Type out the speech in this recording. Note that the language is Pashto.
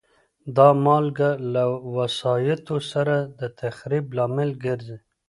دا مالګه له وسایطو سره د تخریب لامل ګرځي.